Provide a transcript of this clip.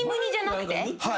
はい。